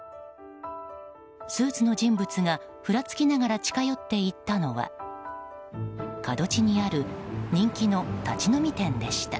スーツの人物がふらつきながら近寄って行ったのは角地にある人気の立ち飲み店でした。